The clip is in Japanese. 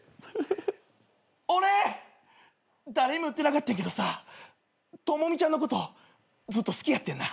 俺誰にも言ってなかってんけどトモミちゃんのことずっと好きやってんな。